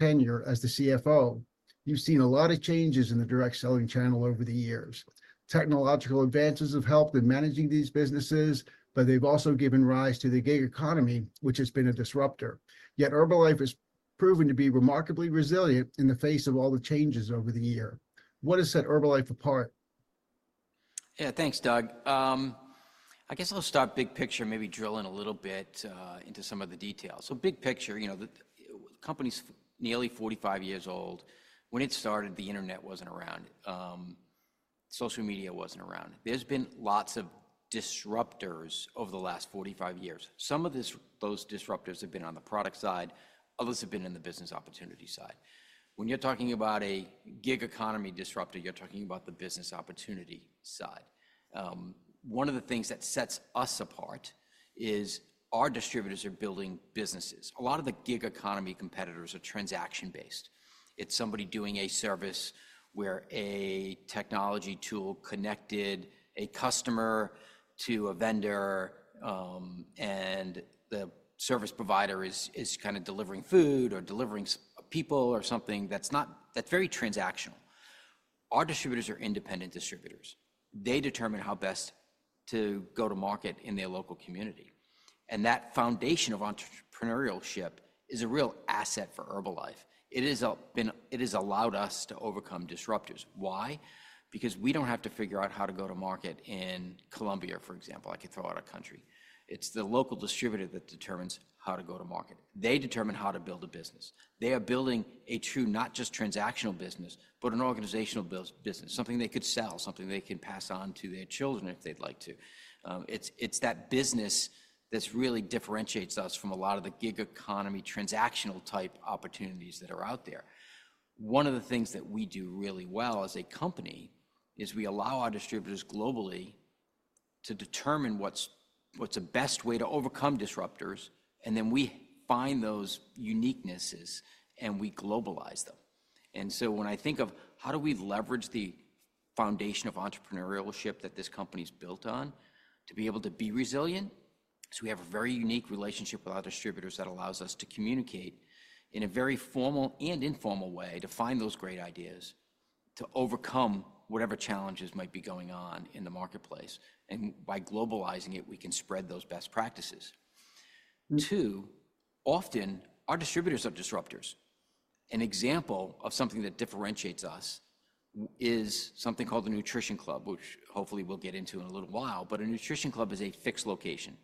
Tenure as the CFO, you've seen a lot of changes in the direct-selling channel over the years. Technological advances have helped in managing these businesses, but they've also given rise to the gig economy, which has been a disruptor. Yet Herbalife has proven to be remarkably resilient in the face of all the changes over the year. What has set Herbalife apart? Yeah, thanks, Doug. I guess I'll start big picture, maybe drill in a little bit into some of the details. So big picture, you know, the company's nearly 45 years old. When it started, the internet wasn't around. Social media wasn't around. There's been lots of disruptors over the last 45 years. Some of those disruptors have been on the product side. Others have been in the business opportunity side. When you're talking about a gig economy disruptors, you're talking about the business opportunity side. One of the things that sets us apart is our distributors are building businesses. A lot of the gig economy competitors are transaction-based. It's somebody doing a service where a technology tool connected a customer to a vendor, and the service provider is kind of delivering food or delivering people or something that's not—that's very transactional. Our distributors are independent distributors. They determine how best to go to market in their local community. That foundation of entrepreneurship is a real asset for Herbalife. It has allowed us to overcome disruptors. Why? Because we don't have to figure out how to go to market in Colombia, for example. I could throw out a country. It's the local distributor that determines how to go to market. They determine how to build a business. They are building a true, not just transactional business, but an organizational business, something they could sell, something they could pass on to their children if they'd like to. It's that business that really differentiates us from a lot of the gig economy transactional type opportunities that are out there. One of the things that we do really well as a company is we allow our distributors globally to determine what's a best way to overcome disruptors, and then we find those uniquenesses and we globalize them. And so when I think of how do we leverage the foundation of entrepreneurship that this company's built on to be able to be resilient, so we have a very unique relationship with our distributors that allows us to communicate in a very formal and informal way to find those great ideas, to overcome whatever challenges might be going on in the marketplace. And by globalizing it, we can spread those best practices. Too, often our distributors have disruptors. An example of something that differentiates us is something called the Nutrition Club, which hopefully we'll get into in a little while. But a Nutrition Club is a fixed location.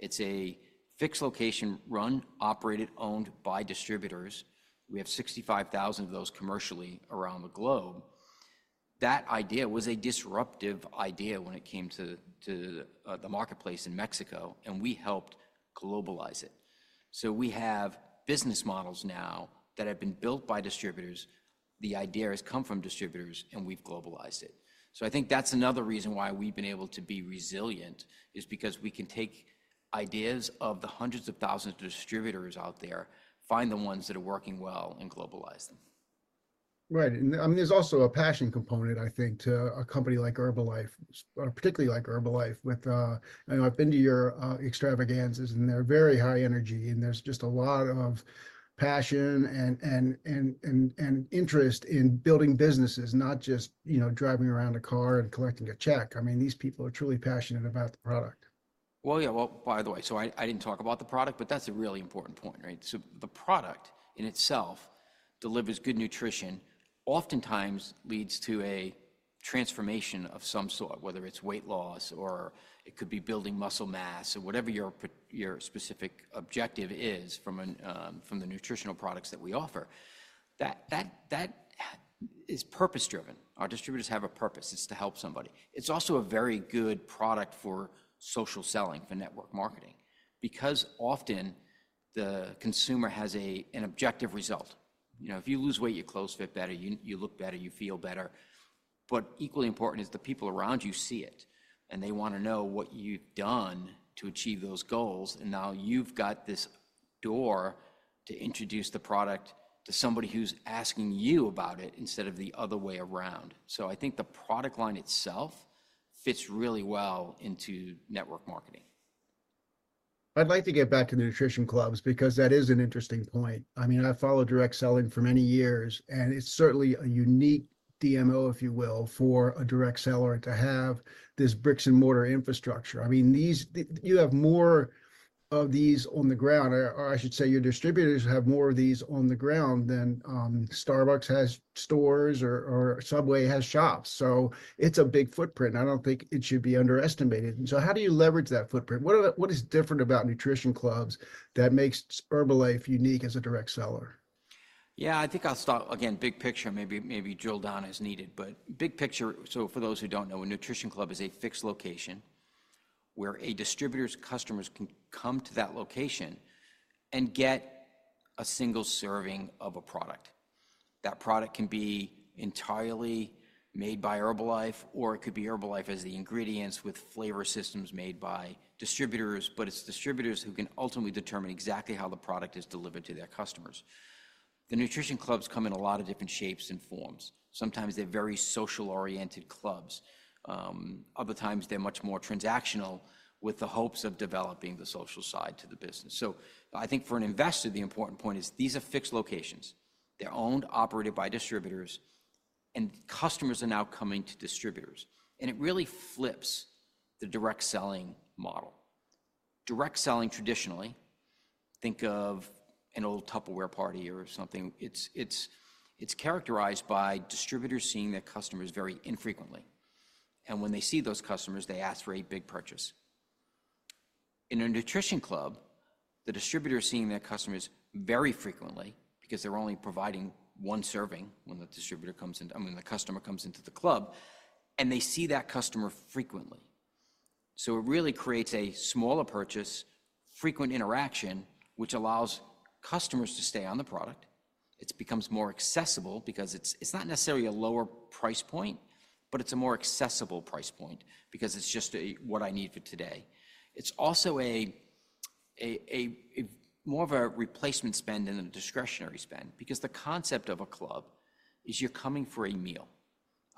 It's a fixed location run, operated, owned by distributors. We have approximately 65,000 of those commercially around the globe. That idea was a disruptive idea when it came to the marketplace in Mexico, and we helped globalize it. So we have business models now that have been built by distributors. The idea has come from distributors, and we've globalized it. So I think that's another reason why we've been able to be resilient, is because we can take ideas of the hundreds of thousands of distributors out there, find the ones that are working well, and globalize them. Right. And I mean, there's also a passion component, I think, to a company like Herbalife, particularly like Herbalife. I've been to your extravaganzas, and they're very high energy, and there's just a lot of passion and interest in building businesses, not just driving around a car and collecting a check. I mean, these people are truly passionate about the product. By the way, so I didn't talk about the product, but that's a really important point, right? So the product in itself delivers good nutrition, oftentimes leads to a transformation of some sort, whether it's weight loss or it could be building muscle mass or whatever your specific objective is from the nutritional products that we offer. That is purpose-driven. Our distributors have a purpose. It's to help somebody. It's also a very good product for social selling, for network-marketing, because often the consumer has an objective result. You know, if you lose weight, your clothes fit better, you look better, you feel better. But equally important is the people around you see it, and they want to know what you've done to achieve those goals. And now you've got this door to introduce the product to somebody who's asking you about it instead of the other way around. So I think the product line itself fits really well into network marketing. I'd like to get back to the Nutrition Clubs because that is an interesting point. I mean, I follow direct-selling for many years, and it's certainly a unique DMO, if you will, for a direct seller to have this brick-and-mortar infrastructure. I mean, you have more of these on the ground, or I should say your distributors have more of these on the ground than Starbucks has stores or Subway has shops. So it's a big footprint. I don't think it should be underestimated, and so how do you leverage that footprint? What is different about Nutrition Clubs that makes Herbalife unique as a direct seller? Yeah, I think I'll start again, big picture, maybe drill down as needed. But big picture, so for those who don't know, a Nutrition Club is a fixed location where a distributor's customers can come to that location and get a single serving of a product. That product can be entirely made by Herbalife, or it could be Herbalife as the ingredients with flavor systems made by distributors, but it's distributors who can ultimately determine exactly how the product is delivered to their customers. The Nutrition Clubs come in a lot of different shapes and forms. Sometimes they're very social-oriented clubs. Other times they're much more transactional with the hopes of developing the social side to the business. So I think for an investor, the important point is these are fixed locations. They're owned, operated by distributors, and customers are now coming to distributors. It really flips the direct-selling model. direct-selling traditionally, think of an old Tupperware party or something. It's characterized by distributors seeing their customers very infrequently. And when they see those customers, they ask for a big purchase. In a Nutrition Club, the distributor is seeing their customers very frequently because they're only providing one serving when the distributor comes in, I mean, the customer comes into the club, and they see that customer frequently. So it really creates a smaller purchase, frequent interaction, which allows customers to stay on the product. It becomes more accessible because it's not necessarily a lower price point, but it's a more accessible price point because it's just what I need for today. It's also more of a replacement spend than a discretionary spend because the concept of a club is you're coming for a meal,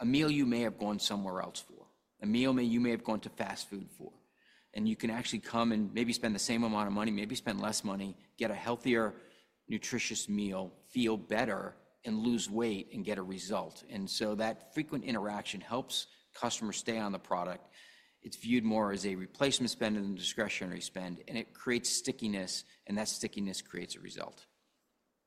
a meal you may have gone somewhere else for, a meal you may have gone to fast food for. And you can actually come and maybe spend the same amount of money, maybe spend less money, get a healthier, nutritious meal, feel better, and lose weight and get a result. And so that frequent interaction helps customers stay on the product. It's viewed more as a replacement spend than a discretionary spend, and it creates stickiness, and that stickiness creates a result.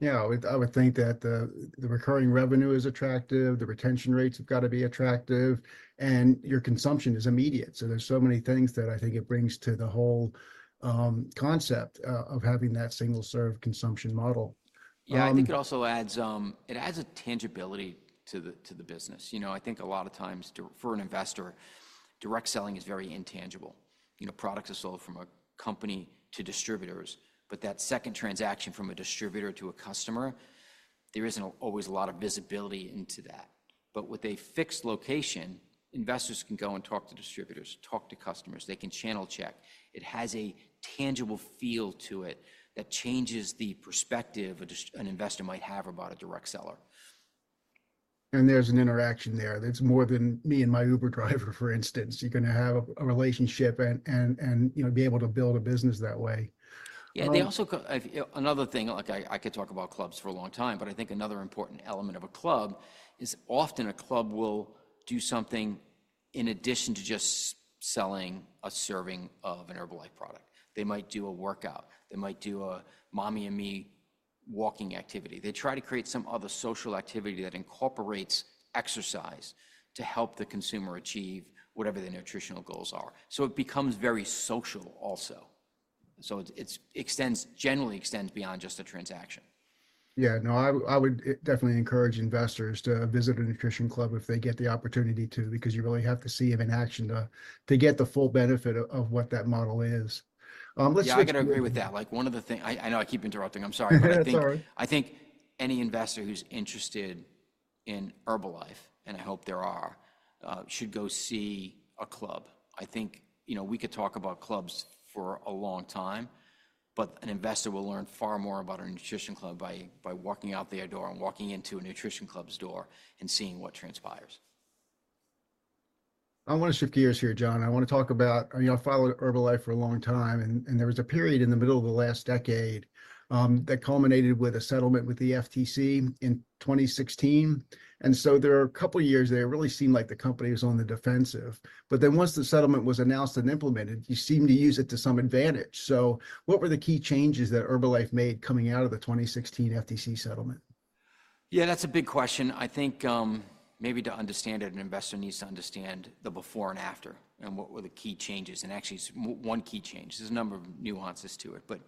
Yeah, I would think that the recurring revenue is attractive. The retention rates have got to be attractive, and your consumption is immediate. So there's so many things that I think it brings to the whole concept of having that single-serve consumption model. Yeah, I think it also adds a tangibility to the business. You know, I think a lot of times for an investor, direct-selling is very intangible. Products are sold from a company to distributors, but that second transaction from a distributor to a customer, there isn't always a lot of visibility into that. But with a fixed location, investors can go and talk to distributors, talk to customers. They can channel check. It has a tangible feel to it that changes the perspective an investor might have about a direct seller. There's an interaction there. It's more than me and my Uber driver, for instance. You're going to have a relationship and be able to build a business that way. Yeah, and they also, another thing, like I could talk about clubs for a long time, but I think another important element of a club is often a club will do something in addition to just selling a serving of an Herbalife product. They might do a workout. They might do a mommy and me walking activity. They try to create some other social activity that incorporates exercise to help the consumer achieve whatever their nutritional goals are. So it becomes very social also. So it generally extends beyond just a transaction. Yeah, no, I would definitely encourage investors to visit a Nutrition Club if they get the opportunity to, because you really have to see it in action to get the full benefit of what that model is. Yeah, I can agree with that. Like one of the things, I know I keep interrupting. I'm sorry. No, that's all right. I think any investor who's interested in Herbalife, and I hope there are, should go see a club. I think we could talk about clubs for a long time, but an investor will learn far more about a Nutrition Club by walking out their door and walking into a Nutrition Club's door and seeing what transpires. I want to shift gears here, John. I want to talk about, you know, I followed Herbalife for a long time, and there was a period in the middle of the last decade that culminated with a settlement with the Federal Trade Commission (FTC) in 2016. And so there are a couple of years there really seemed like the company was on the defensive. But then once the settlement was announced and implemented, you seemed to use it to some advantage. So what were the key changes that Herbalife made coming out of the 2016 FTC settlement? Yeah, that's a big question. I think maybe to understand it, an investor needs to understand the before and after and what were the key changes, and actually, one key change, there's a number of nuances to it, but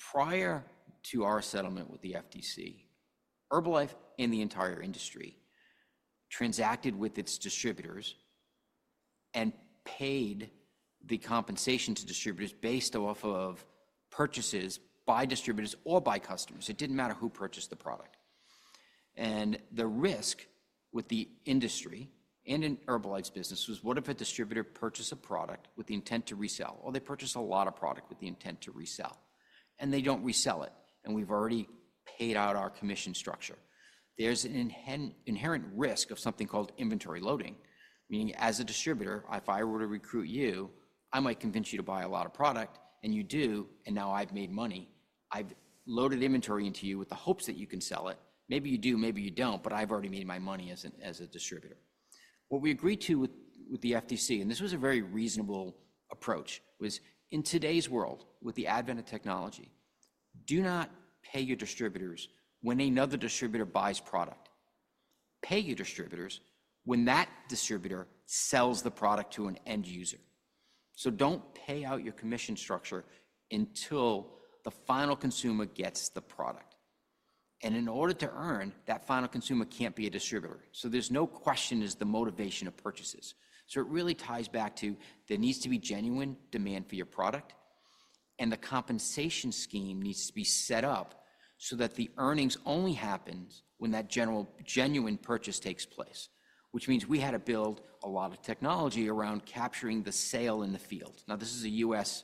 prior to our settlement with the FTC, Herbalife and the entire industry transacted with its distributors and paid the compensation to distributors based off of purchases by distributors or by customers. It didn't matter who purchased the product, and the risk with the industry and in Herbalife's business was, what if a distributor purchased a product with the intent to resell? Or they purchased a lot of product with the intent to resell, and they don't resell it, and we've already paid out our commission structure. There's an inherent risk of something called inventory loading, meaning as a distributor, if I were to recruit you, I might convince you to buy a lot of product, and you do, and now I've made money. I've loaded inventory into you with the hopes that you can sell it. Maybe you do, maybe you don't, but I've already made my money as a distributor. What we agreed to with the FTC, and this was a very reasonable approach, was in today's world, with the advent of technology, do not pay your distributors when another distributor buys product. Pay your distributors when that distributor sells the product to an end user (consumer). So don't pay out your commission structure until the final consumer gets the product, and in order to earn, that final consumer can't be a distributor. So there's no question as to the motivation of purchases. So it really ties back to that there needs to be genuine demand for your product, and the compensation scheme needs to be set up so that the earnings only happen when that genuine purchase takes place, which means we had to build a lot of technology around capturing the sale in the field. Now, this is a U.S.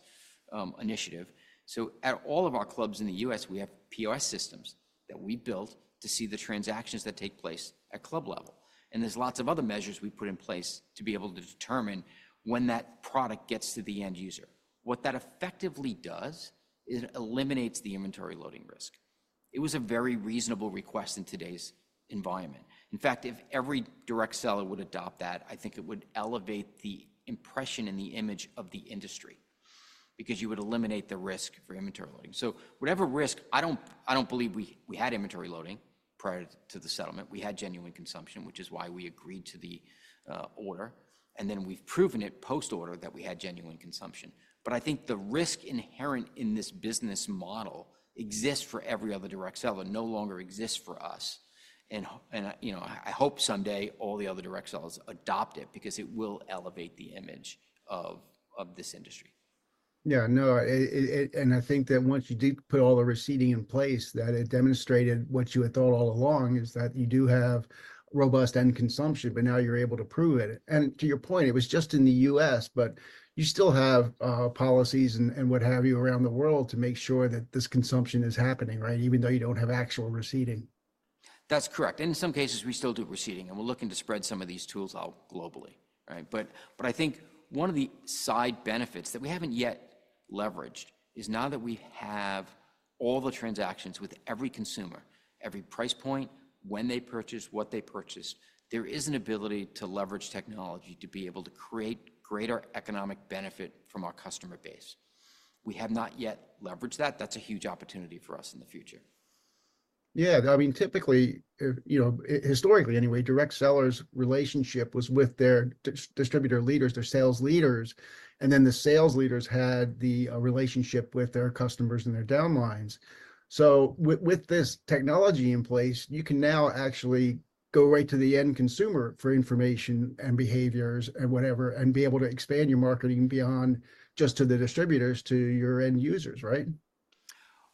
initiative. So at all of our clubs in the U.S., we have POS systems that we built to see the transactions that take place at club level. And there's lots of other measures we put in place to be able to determine when that product gets to the end user. What that effectively does is it eliminates the inventory loading risk. It was a very reasonable request in today's environment. In fact, if every direct seller would adopt that, I think it would elevate the impression and the image of the industry because you would eliminate the risk for inventory loading. So whatever risk, I don't believe we had inventory loading prior to the settlement. We had genuine consumption, which is why we agreed to the order. And then we've proven it post-order that we had genuine consumption. But I think the risk inherent in this business model exists for every other direct seller and no longer exists for us. And I hope someday all the other direct sellers adopt it because it will elevate the image of this industry. Yeah, no, and I think that once you put all the receipting in place, that it demonstrated what you had thought all along is that you do have robust end consumption, but now you're able to prove it. And to your point, it was just in the U.S., but you still have policies and what have you around the world to make sure that this consumption is happening, right, even though you don't have actual receipting? That's correct, and in some cases, we still do receipting, and we're looking to spread some of these tools out globally, right, but I think one of the side benefits that we haven't yet leveraged is now that we have all the transactions with every consumer, every price point, when they purchase, what they purchase, there is an ability to leverage technology to be able to create greater economic benefit from our customer base. We have not yet leveraged that. That's a huge opportunity for us in the future. Yeah, I mean, typically, you know, historically anyway, direct sellers' relationship was with their distributor leaders, their sales leaders, and then the sales leaders had the relationship with their customers and their downlines. So with this technology in place, you can now actually go right to the end consumer for information and behaviors and whatever and be able to expand your marketing beyond just to the distributors to your end users, right?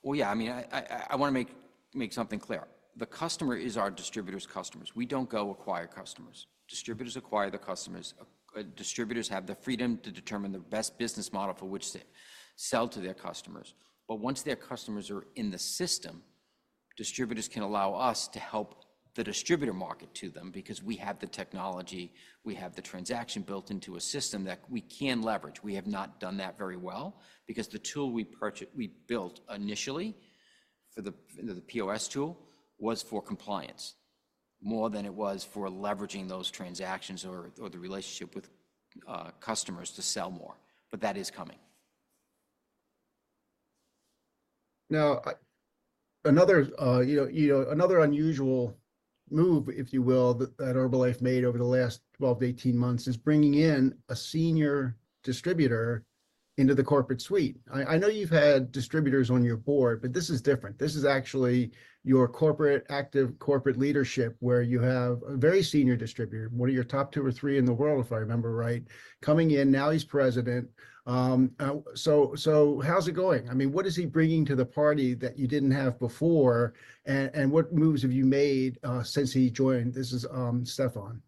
Yeah, I mean, I want to make something clear. The customer is our distributor's customers. We don't go acquire customers. Distributors acquire the customers. Distributors have the freedom to determine the best business model for which to sell to their customers. But once their customers are in the system, distributors can allow us to help the distributor market to them because we have the technology. We have the transaction built into a system that we can leverage. We have not done that very well because the tool we built initially for the POS system was for compliance more than it was for leveraging those transactions or the relationship with customers to sell more. But that is coming. Now, another unusual move, if you will, that Herbalife made over the last 12-18 months is bringing in a senior distributor into the corporate suite. I know you've had distributors on your board, but this is different. This is actually your active corporate leadership where you have a very senior distributor. One of your top two or three in the world, if I remember right, coming in. Now he's president. So how's it going? I mean, what is he bringing to the party that you didn't have before? And what moves have you made since he joined? This is Stephan. Stephan,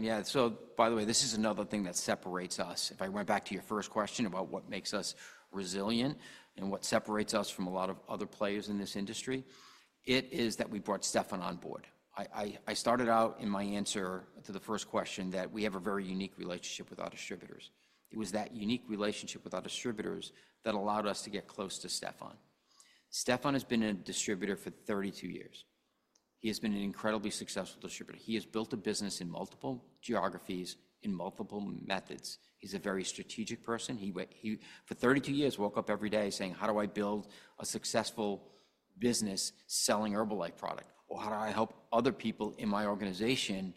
yeah. So by the way, this is another thing that separates us. If I went back to your first question about what makes us resilient and what separates us from a lot of other players in this industry, it is that we brought Stephan on board. I started out in my answer to the first question that we have a very unique relationship with our distributors. It was that unique relationship with our distributors that allowed us to get close to Stephan. Stephan has been a distributor for 32 years. He has been an incredibly successful distributor. He has built a business in multiple geographies, in multiple methods. He's a very strategic person. For 32 years, he woke up every day saying, "How do I build a successful business selling Herbalife product?" Or, "How do I help other people in my organization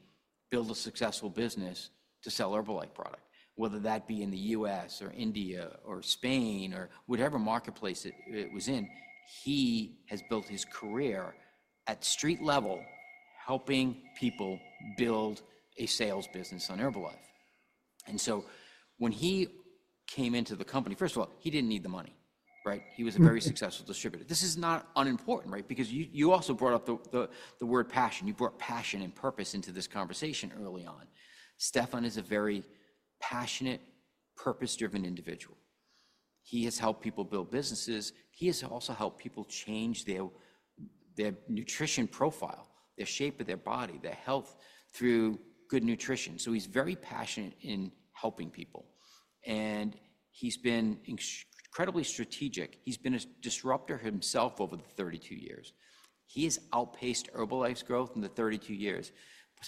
build a successful business to sell Herbalife product?" Whether that be in the U.S. or India or Spain or whatever marketplace it was in, he has built his career at street level helping people build a sales business on Herbalife. And so when he came into the company, first of all, he didn't need the money, right? He was a very successful distributor. This is not unimportant, right? Because you also brought up the word passion. You brought passion and purpose into this conversation early on. Stephan is a very passionate, purpose-driven individual. He has helped people build businesses. He has also helped people change their nutrition profile, their shape of their body, their health through good nutrition. He's very passionate in helping people. And he's been incredibly strategic. He's been a disruptor himself over the 32 years. He has outpaced Herbalife's growth in the 32 years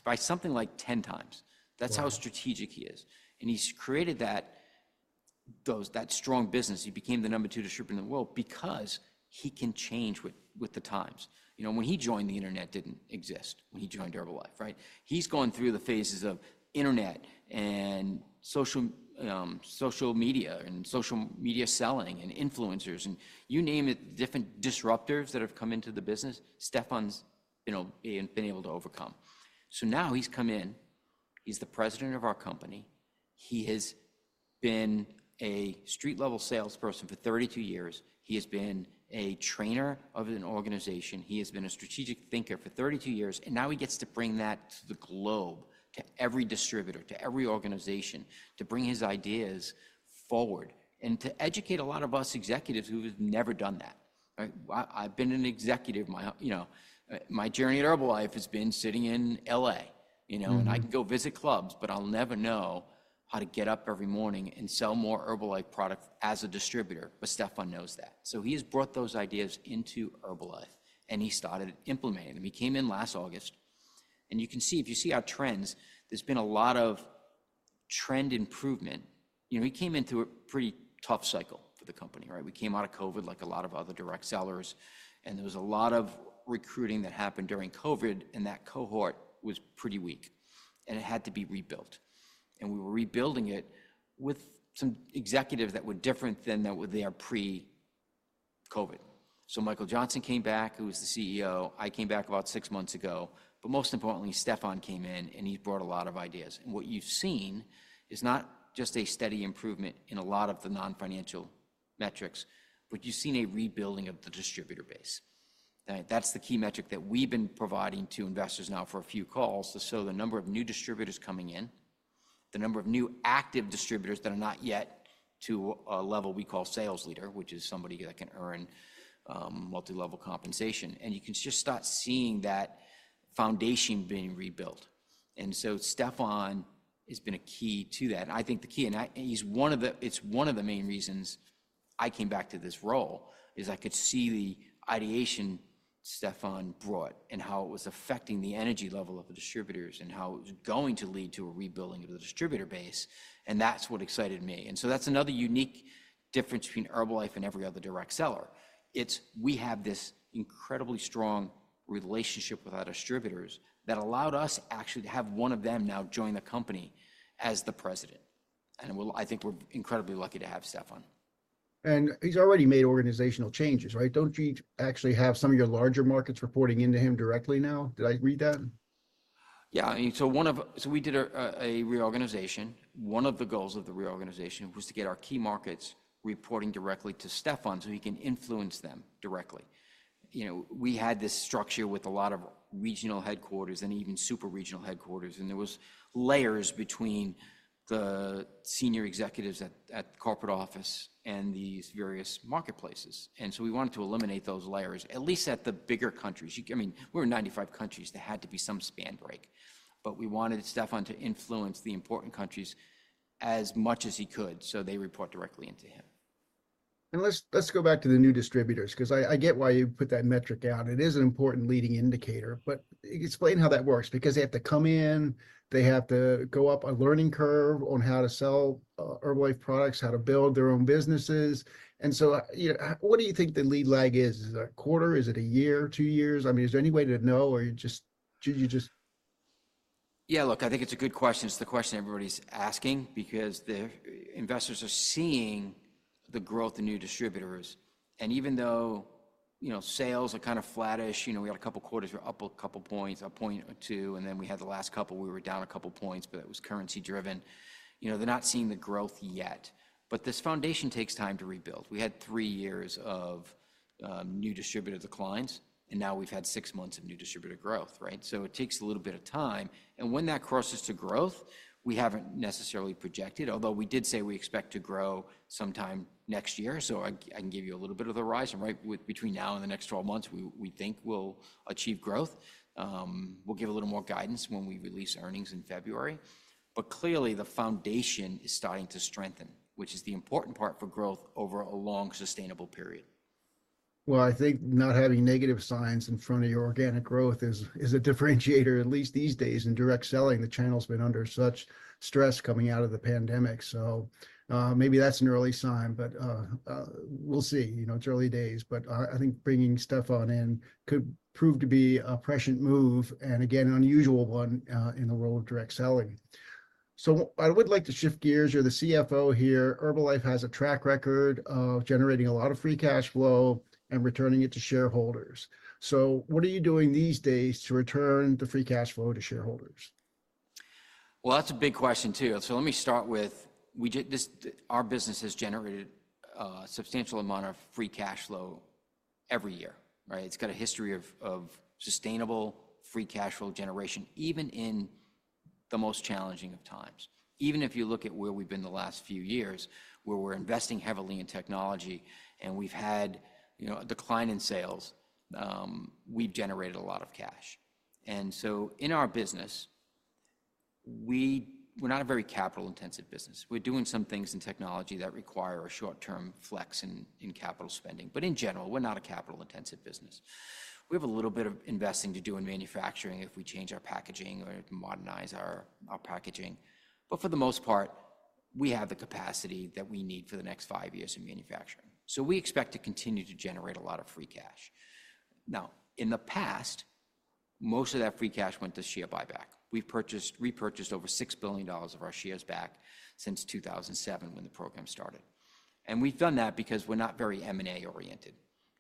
by something like 10 times. That's how strategic he is. And he's created that strong business. He became the number two distributor in the world because he can change with the times. You know, when he joined, the internet didn't exist when he joined Herbalife, right? He's gone through the phases of internet and social media and social media selling and influencers and you name it, different disruptors that have come into the business. Stephan's been able to overcome. So now he's come in. He's the president of our company. He has been a street-level salesperson for 32 years. He has been a trainer of an organization. He has been a strategic thinker for 32 years. Now he gets to bring that to the globe, to every distributor, to every organization, to bring his ideas forward and to educate a lot of us executives who have never done that. I've been an executive. My journey at Herbalife has been sitting in LA, you know, and I can go visit clubs, but I'll never know how to get up every morning and sell more Herbalife product as a distributor. But Stephan knows that. So he has brought those ideas into Herbalife, and he started implementing them. He came in last August. You can see, if you see our trends, there's been a lot of trend improvement. You know, he came into a pretty tough cycle for the company, right? We came out of COVID like a lot of other direct sellers. And there was a lot of recruiting that happened during COVID, and that cohort was pretty weak. And it had to be rebuilt. And we were rebuilding it with some executives that were different than they were pre-COVID. So Michael Johnson came back, who was the CEO. I came back about six months ago. But most importantly, Stephan came in, and he brought a lot of ideas. And what you've seen is not just a steady improvement in a lot of the non-financial metrics, but you've seen a rebuilding of the distributor base. That's the key metric that we've been providing to investors now for a few calls. So the number of new distributors coming in, the number of new active distributors that are not yet to a level we call sales leader, which is somebody that can earn multi-level compensation. And you can just start seeing that foundation being rebuilt. And so Stephan has been a key to that. And I think the key, and he's one of the main reasons I came back to this role is I could see the ideation Stephan brought and how it was affecting the energy level of the distributors and how it was going to lead to a rebuilding of the distributor base. And that's what excited me. And so that's another unique difference between Herbalife and every other direct seller. It's we have this incredibly strong relationship with our distributors that allowed us actually to have one of them now join the company as the president. And I think we're incredibly lucky to have Stephan. He's already made organizational changes, right? Don't you actually have some of your larger markets reporting into him directly now? Did I read that? Yeah, so we did a reorganization. One of the goals of the reorganization was to get our key markets reporting directly to Stephan so he can influence them directly. You know, we had this structure with a lot of regional headquarters and even super regional headquarters. And there were layers between the senior executives at the corporate office and these various marketplaces. And so we wanted to eliminate those layers, at least at the bigger countries. I mean, we're in 95 countries. There had to be some span break. But we wanted Stephan to influence the important countries as much as he could so they report directly into him. Let's go back to the new distributors because I get why you put that metric out. It is an important leading indicator, but explain how that works because they have to come in, they have to go up a learning curve on how to sell Herbalife products, how to build their own businesses. And so what do you think the lead lag is? Is it a quarter? Is it a year, two years? I mean, is there any way to know or you just. Yeah, look, I think it's a good question. It's the question everybody's asking because the investors are seeing the growth in new distributors. And even though, you know, sales are kind of flattish, you know, we had a couple quarters were up a couple points, a point or two, and then we had the last couple we were down a couple points, but it was currency-driven. You know, they're not seeing the growth yet. But this foundation takes time to rebuild. We had three years of new distributor declines, and now we've had six months of new distributor growth, right? So it takes a little bit of time. And when that crosses to growth, we haven't necessarily projected, although we did say we expect to grow sometime next year. So I can give you a little bit of the horizon, right? Between now and the next 12 months, we think we'll achieve growth. We'll give a little more guidance when we release earnings in February. But clearly, the foundation is starting to strengthen, which is the important part for growth over a long sustainable period. I think not having negative signs in front of your organic growth is a differentiator, at least these days in direct-selling. The channel's been under such stress coming out of the pandemic. Maybe that's an early sign, but we'll see. You know, it's early days, but I think bringing Stephan in could prove to be a prescient move and again, an unusual one in the role of direct-selling. I would like to shift gears. You're the CFO here. Herbalife has a track record of generating a lot of free cash flow and returning it to shareholders. What are you doing these days to return the free cash flow to shareholders? That's a big question too. Let me start with our business has generated a substantial amount of free cash flow every year, right? It's got a history of sustainable free cash flow generation even in the most challenging of times. Even if you look at where we've been the last few years, where we're investing heavily in technology and we've had a decline in sales, we've generated a lot of cash. In our business, we're not a very capital-intensive business. We're doing some things in technology that require a short-term flex in capital spending. In general, we're not a capital-intensive business. We have a little bit of investing to do in manufacturing if we change our packaging or modernize our packaging. For the most part, we have the capacity that we need for the next five years in manufacturing. We expect to continue to generate a lot of free cash. Now, in the past, most of that free cash went to share buyback. We've repurchased over $6 billion of our shares back since 2007 when the program started. We've done that because we're not very M&A oriented.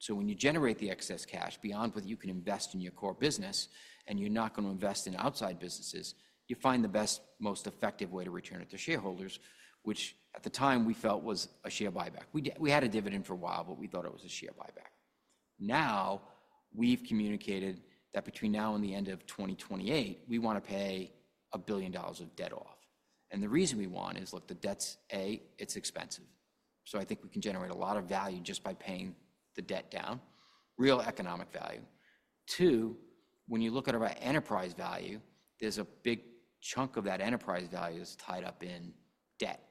When you generate the excess cash beyond what you can invest in your core business and you're not going to invest in outside businesses, you find the best, most effective way to return it to shareholders, which at the time we felt was a share buyback. We had a dividend for a while, but we thought it was a share buyback. Now we've communicated that between now and the end of 2028, we want to pay $1 billion of debt off. The reason we want is, look, the debt's a, it's expensive. I think we can generate a lot of value just by paying the debt down, real economic value. Two, when you look at our enterprise value, there's a big chunk of that enterprise value that's tied up in debt.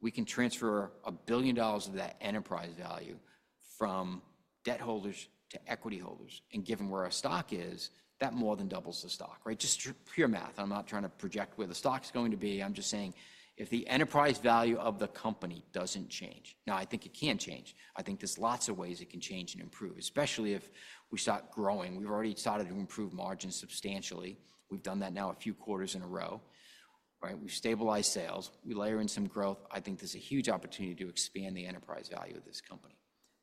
We can transfer $1 billion of that enterprise value from debt holders to equity holders. Given where our stock is, that more than doubles the stock, right? Just pure math. I'm not trying to project where the stock's going to be. I'm just saying if the enterprise value of the company doesn't change. Now, I think it can change. I think there's lots of ways it can change and improve, especially if we start growing. We've already started to improve margins substantially. We've done that now a few quarters in a row, right? We've stabilized sales. We layer in some growth. I think there's a huge opportunity to expand the enterprise value of this company.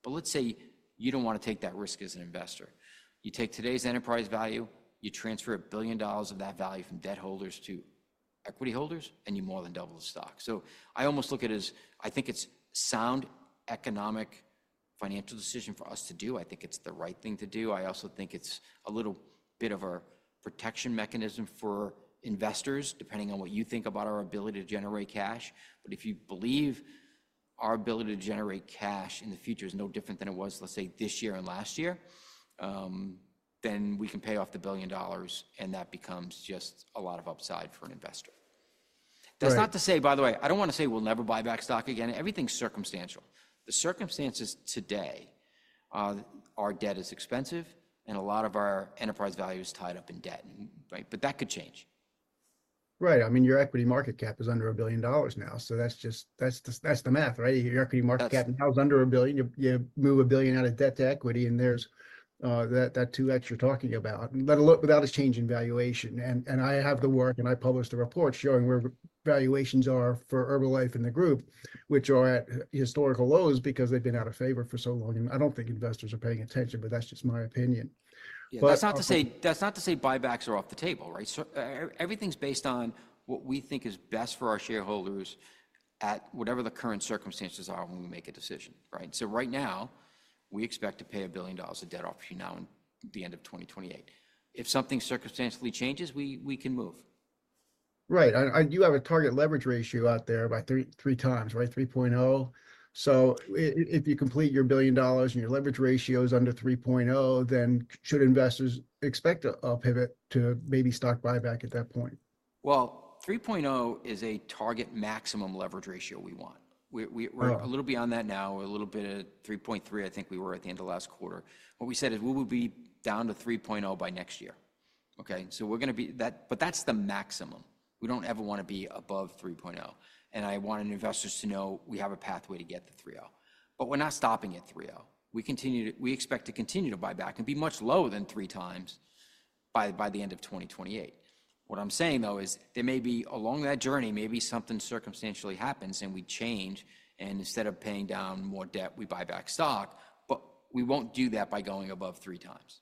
But let's say you don't want to take that risk as an investor. You take today's enterprise value, you transfer $1 billion of that value from debt holders to equity holders, and you more than double the stock. So I almost look at it as I think it's a sound economic financial decision for us to do. I think it's the right thing to do. I also think it's a little bit of a protection mechanism for investors, depending on what you think about our ability to generate cash. But if you believe our ability to generate cash in the future is no different than it was, let's say, this year and last year, then we can pay off the $1 billion, and that becomes just a lot of upside for an investor. That's not to say, by the way, I don't want to say we'll never buy back stock again. Everything's circumstantial. The circumstances today, our debt is expensive, and a lot of our enterprise value is tied up in debt, right? But that could change. Right. I mean, your equity market cap is under $1 billion now. So that's just, that's the math, right? Your equity market cap now is under $1 billion. You move $1 billion out of debt to equity, and there's that 2X you're talking about without a change in valuation. And I have the work, and I published a report showing where valuations are for Herbalife and the group, which are at historical lows because they've been out of favor for so long. And I don't think investors are paying attention, but that's just my opinion. That's not to say buybacks are off the table, right? Everything's based on what we think is best for our shareholders at whatever the current circumstances are when we make a decision, right? So right now, we expect to pay $1 billion of debt off by the end of 2028. If something circumstantially changes, we can move. Right. You have a target leverage ratio out there by 3.0x, right? 3.0. So if you complete your $1 billion and your leverage ratio is under 3.0, then should investors expect a pivot to maybe stock buyback at that point? 3.0 is a target maximum leverage ratio we want. We're a little beyond that now. We're a little bit at 3.3x, I think we were at the end of last quarter. What we said is we will be down to 3.0 by next year, okay? We're going to be that, but that's the maximum. We don't ever want to be above 3.0. I want investors to know we have a pathway to get to 3.0. We're not stopping at 3.0. We expect to continue to buy back and be much lower than 3.0x by the end of 2028. What I'm saying, though, is there may be along that journey, maybe something circumstantially happens and we change, and instead of paying down more debt, we buy back stock. We won't do that by going above 3.0x.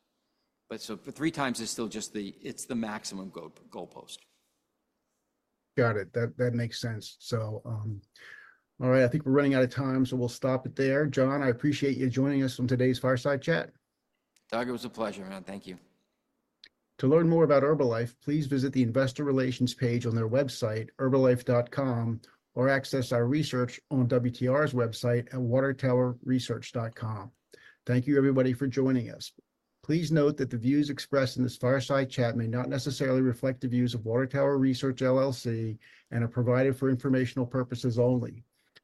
But so for 3.0x, it's still just the maximum goalpost. Got it. That makes sense. So, all right, I think we're running out of time, so we'll stop it there. John, I appreciate you joining us on today's Fireside Chat. Doug, it was a pleasure, man. Thank you. To learn more about Herbalife, please visit the Investor Relations page on their website, herbalife.com, or access our research on WTR's website at watertowerresearch.com. Thank you, everybody, for joining us. Please note that the views expressed in this Fireside Chat may not necessarily reflect the views of Water Tower Research, LLC, and are provided for informational purposes only.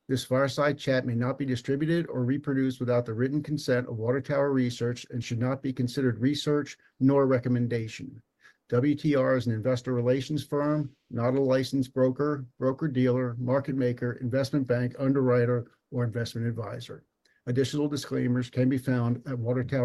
This Fireside Chat may not be distributed or reproduced without the written consent of Water Tower Research and should not be considered research nor recommendation. WTR is an investor relations firm, not a licensed broker, broker dealer, market maker, investment bank, underwriter, or investment advisor. Additional disclaimers can be found at Water tower.